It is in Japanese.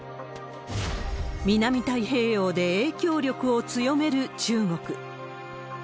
南太平洋で影響力を強める中国。